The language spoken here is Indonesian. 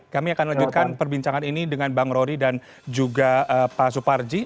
kami akan lanjutkan perbincangan ini dengan bang rory dan juga pak suparji